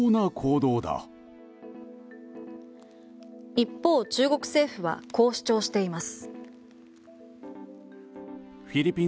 一方、中国政府はこう主張しています。